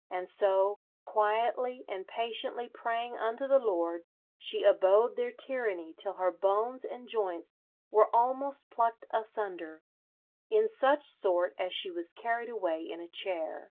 ... And so, quietly and patiently praying unto the Lord, she abode their tyranny till her bones and joints were almost plucked asunder, in such sort as she was carried away in a chair."